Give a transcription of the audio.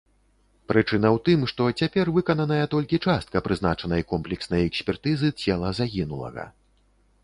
Прычына ў тым, што цяпер выкананая толькі частка прызначанай комплекснай экспертызы цела загінулага.